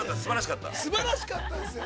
◆すばらしかったですよ。